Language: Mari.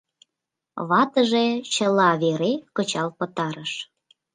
Ватыже чыла вере кычал пытарыш.